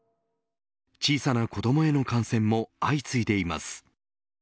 小さな子どもへの感染も相次いでいます。